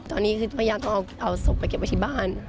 ตอนนี้พยายามเอาศพมาเก็บไปที่บ้าน